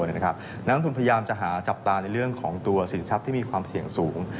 นักลงทุนพยายามจะหาจับตาในเรื่องของตัวสินทรัพย์ที่มีความเสี่ยงสูง